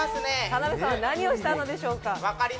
田辺さんは何をしたのでしょうか。